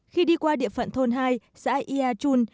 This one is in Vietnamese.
khi đi qua địa phận thôn hai xã ia chun